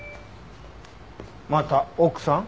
また奥さん？